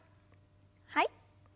はい。